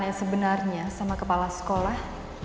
yang sebenarnya sama kepala sekolah